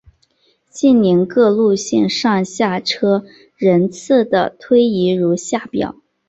近年各路线上下车人次的推移如下表。